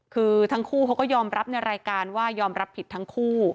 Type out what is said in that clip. คือทั้งคู่เขาก็ยอมรับในรายการว่ายอมรับผิดทั้งคู่